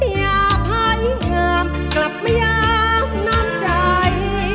อย่าไพ่เหงิมกลับมาย้ำน้ำใจ